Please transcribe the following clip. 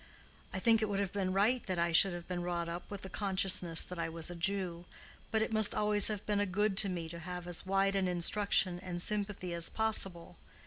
I think it would have been right that I should have been brought up with the consciousness that I was a Jew, but it must always have been a good to me to have as wide an instruction and sympathy as possible.